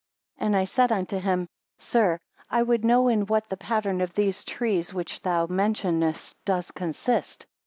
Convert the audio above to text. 3 And I said unto him, Sir, I would know in what the pattern of these trees which thou mentionest, does consist.